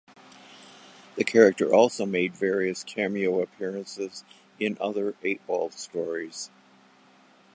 The character also made various cameo appearances in other "Eightball" stories.